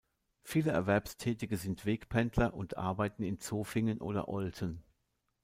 Viele Erwerbstätige sind Wegpendler und arbeiten in Zofingen oder Olten.